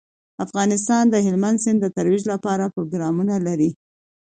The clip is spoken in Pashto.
افغانستان د هلمند سیند د ترویج لپاره پروګرامونه لري.